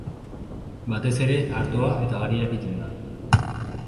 Batez ere, artoa eta garia egiten da.